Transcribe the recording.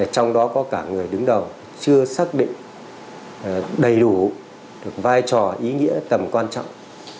trong đó có cả người đứng đầu chưa xác định đầy đủ được vai trò ý nghĩa tầm quan trọng